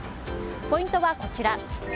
ポイントはこちら。